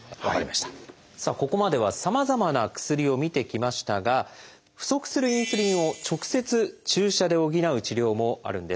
さあここまではさまざまな薬を見てきましたが不足するインスリンを直接注射で補う治療もあるんです。